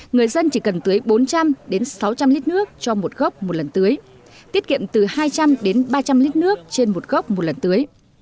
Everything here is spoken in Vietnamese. người dân chỉ cần tưới bốn trăm linh sáu trăm linh lít nước cho một gốc một lần tưới tiết kiệm từ hai trăm linh đến ba trăm linh lít nước trên một gốc một lần tưới